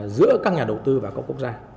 giữa các nhà đầu tư và các quốc gia